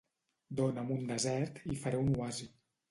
Dona'm un desert i faré un oasi.